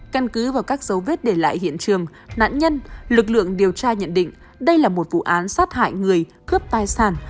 căn cứ vào các dấu vết để lại hiện trường nạn nhân lực lượng điều tra nhận định đây là một vụ án sát hại người cướp tài sản